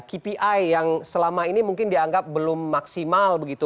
kpi yang selama ini mungkin dianggap belum maksimal begitu